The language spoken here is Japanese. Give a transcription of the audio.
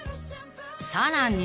［さらに］